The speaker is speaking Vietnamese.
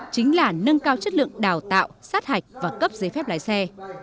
chính là nâng cao chất lượng đào tạo sát hạch và cấp giấy phép lái xe